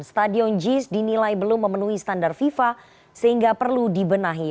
stadion jis dinilai belum memenuhi standar fifa sehingga perlu dibenahi